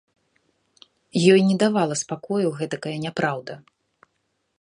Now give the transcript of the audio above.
Ёй не давала спакою гэтакая няпраўда.